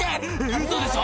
「ウソでしょ